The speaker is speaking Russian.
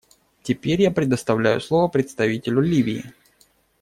Теперь я предоставляю слово представителю Ливии.